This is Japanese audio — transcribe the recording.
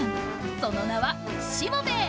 その名は「しもべえ」！